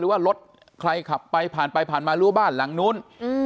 ว่ารถใครขับไปผ่านไปผ่านมารู้บ้านหลังนู้น